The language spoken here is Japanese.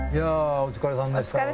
お疲れさまでした。